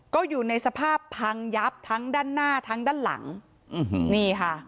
ก็อยู่ในสภาพพังยับทั้งด้านหน้าทั้งด้านหลังนี่ค่ะ